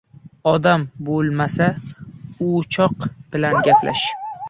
• Odam bo‘lmasa o‘choq bilan gaplash.